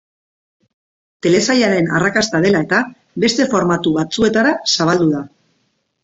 Telesailaren arrakasta dela eta, beste formatu batzuetara zabaldu da.